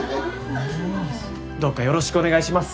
どうかよろしくお願いします。